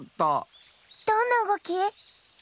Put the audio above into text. どんなうごき？